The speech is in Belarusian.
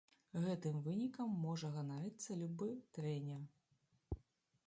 Гэтым вынікам можа ганарыцца любы трэнер.